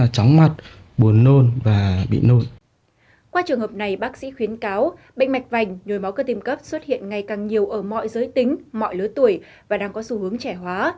qua trường hợp này bác sĩ khuyến cáo bệnh mạch vành nhồi máu cơ tim cấp xuất hiện ngày càng nhiều ở mọi giới tính mọi lứa tuổi và đang có xu hướng trẻ hóa